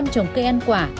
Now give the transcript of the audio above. hai mươi trồng cây ăn quả